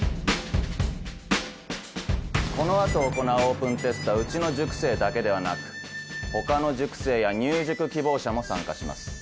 この後行うオープンテストはうちの塾生だけではなく他の塾生や入塾希望者も参加します。